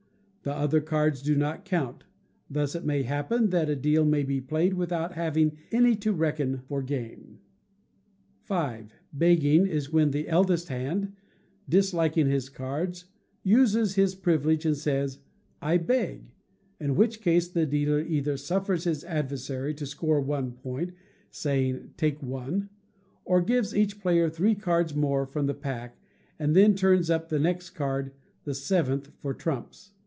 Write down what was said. The other cards do not count: thus it may happen that a deal may be played without having any to reckon for game. v. Begging is when the eldest hand, disliking his cards, uses his privilege, and says, "I beg;" in which case the dealer either suffers his adversary to score one point, saying, "Take one," or gives each player three cards more from the pack, and then turns up the next card, the seventh for trumps.